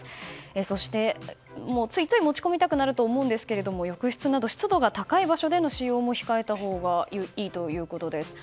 そして、ついつい持ち込みたくなると思うんですが浴室など、湿度が高い場所での使用も控えたほうがいいということです。